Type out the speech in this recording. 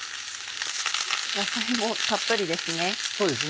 野菜もたっぷりですね。